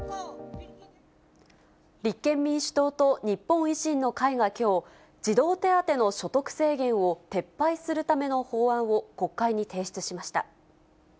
立憲民主党と日本維新の会がきょう、児童手当の所得制限を撤廃するための法案を国会に提出しました。